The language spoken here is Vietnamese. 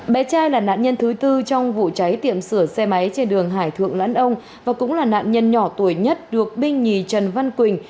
bé trai là nạn nhân thứ tư trong vụ cháy tiệm sửa xe máy trên đường hải thượng lãn ông và cũng là nạn nhân nhỏ tuổi nhất được binh nhì trần văn quỳnh